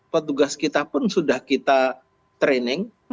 petugas kita pun sudah kita training